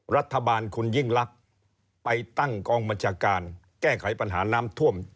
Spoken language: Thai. รัฐบาลคุณยิ่งลักษณ์ไปตั้งกองบัญชาการแก้ไขปัญหาน้ำท่วม